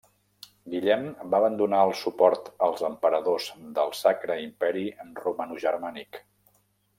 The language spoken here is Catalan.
Guillem va abandonar el suport als emperadors del Sacre Imperi Romanogermànic.